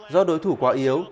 do đối thủ quá yếu